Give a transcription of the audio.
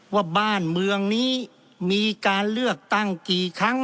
ว่าบ้านเมืองนี้มีการเลือกตั้งกี่ครั้ง